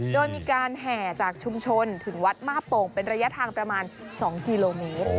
โดยมีการแห่จากชุมชนถึงวัดมาโป่งเป็นระยะทางประมาณ๒กิโลเมตร